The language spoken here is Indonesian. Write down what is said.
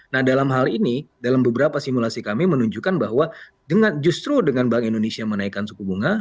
nah dalam hal ini dalam beberapa simulasi kami menunjukkan bahwa justru dengan bank indonesia menaikkan suku bunga